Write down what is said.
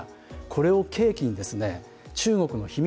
これを契機に中国の秘密